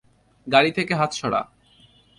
গাড়ি থেকে হাত সড়া।